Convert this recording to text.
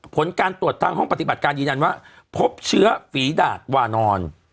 ผลการตรวจทางห้องปฏิบัติการยืนยันว่าพบเชื้อฝีดาดวานอน